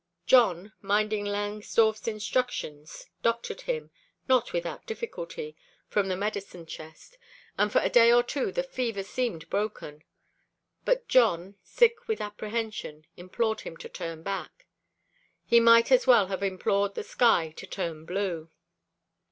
Jon, minding Langsdorff's instructions, doctored him not without difficulty from the medicine chest, and for a day or two the fever seemed broken. But Jon, sick with apprehension, implored him to turn back. He might as well have implored the sky to turn blue.